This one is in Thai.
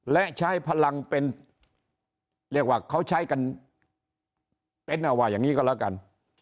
และใช้พลังเป็นเรียกว่าเขาใช้กันเป็นเอาว่าอย่างนี้ก็แล้วกัน